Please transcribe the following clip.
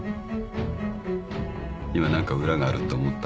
今「何か裏がある」って思った？